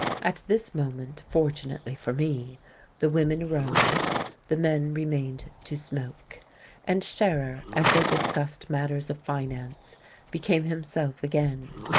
At this moment, fortunately for me, the women rose; the men remained to smoke; and Scherer, as they discussed matters of finance, became himself again.